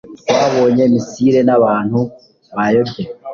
Twayoboye misile n'abantu bayobye.